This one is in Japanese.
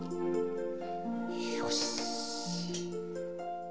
よし。